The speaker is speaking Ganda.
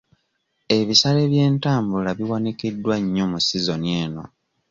Ebisale by'entambula biwanikiddwa nnyo mu sizoni eno.